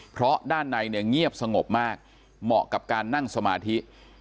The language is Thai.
เพราะด้านในเนี่ยเงียบสงบมากเหมาะกับการนั่งสมาธิ